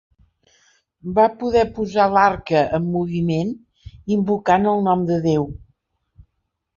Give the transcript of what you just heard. Va poder posar l'arca en moviment invocant el nom de Déu.